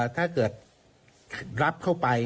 ถ้าเกิดรับเข้าไป